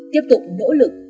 tiếp tục nỗ lực